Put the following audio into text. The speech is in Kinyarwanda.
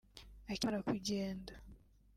Akimara kugenda